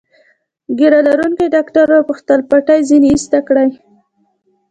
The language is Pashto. ږیره لرونکي ډاکټر وپوښتل: پټۍ ځینې ایسته کړي؟